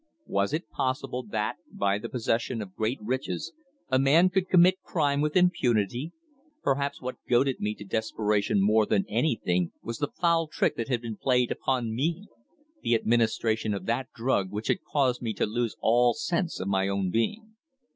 Was it possible, that, by the possession of great riches, a man could commit crime with impunity? Perhaps what goaded me to desperation more than anything was the foul trick that had been played upon me the administration of that drug which had caused me to lose all sense of my own being.